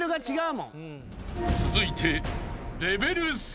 ［続いて］